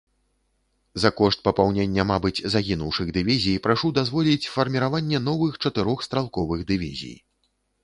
За кошт папаўнення, мабыць, загінуўшых дывізій, прашу дазволіць фарміраванне новых чатырох стралковых дывізій.